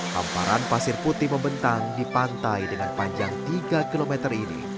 hamparan pasir putih membentang di pantai dengan panjang tiga km ini